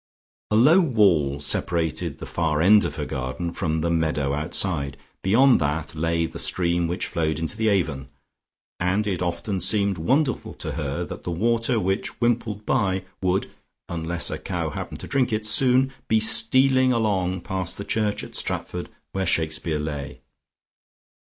A low wall separated the far end of her garden from the meadow outside; beyond that lay the stream which flowed into the Avon, and it often seemed wonderful to her that the water which wimpled by would (unless a cow happened to drink it) soon be stealing along past the church at Stratford where Shakespeare lay.